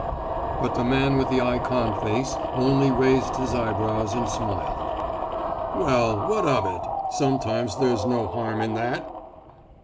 But the man with the ikon face only raised his eyebrows and smiled. "Well, what of it? Sometimes there's no harm in that."